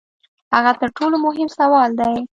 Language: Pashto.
هغه تر ټولو مهم سوال دی.